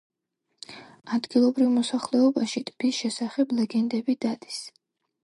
ადგილობრივ მოსახლეობაში ტბის შესახებ ლეგენდები დადის.